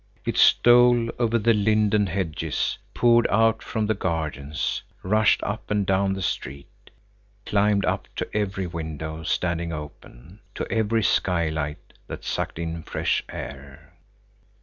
It stole over the linden hedges; poured out from the gardens; rushed up and down the street; climbed up to every window standing open, to every skylight that sucked in fresh air.